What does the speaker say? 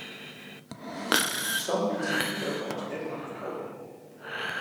Sa'n bytsje ite hâldst net lang fol.